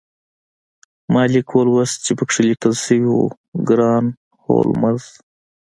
ما لیک ولوست چې پکې لیکل شوي وو ګران هولمز